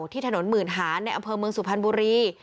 ที่ถนนหมื่นหานในอำเภอเมืองสุพรรณบุรี